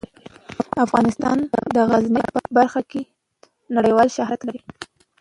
افغانستان د غزني په برخه کې نړیوال شهرت لري.